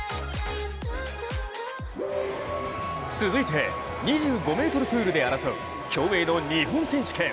続いて２５ｍプールで争う競泳の日本選手権。